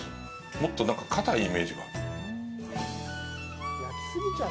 もっと、何か硬いイメージが。